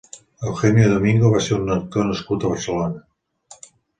Eugenio Domingo va ser un actor nascut a Barcelona.